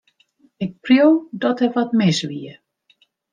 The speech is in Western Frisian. Ik preau dat der wat mis wie.